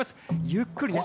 ゆっくりね。